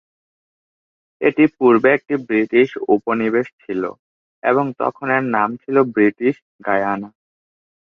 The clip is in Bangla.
এটি পূর্বে একটি ব্রিটিশ উপনিবেশ ছিল এবং তখন এর নাম ছিল ব্রিটিশ গায়ানা।